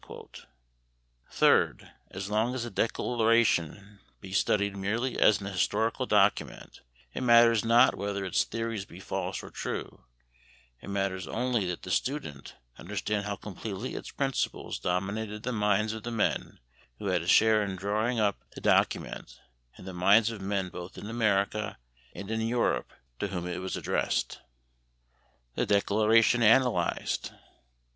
Third, as long at the Declaration be studied merely as an historical document, it matters not whether its theories be false or true; it matters only that the student understand how completely its principles dominated the minds of the men who had a share in drawing up the document and the minds of men both in America and in Europe to whom it was addressed. The Declaration Analysed.